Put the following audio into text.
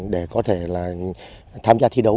để có thể là tham gia thi đấu